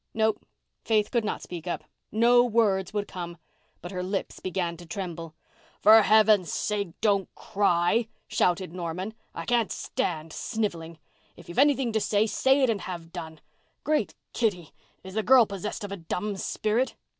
No. Faith could not speak up. No words would come. But her lips began to tremble. "For heaven's sake, don't cry," shouted Norman. "I can't stand snivelling. If you've anything to say, say it and have done. Great Kitty, is the girl possessed of a dumb spirit?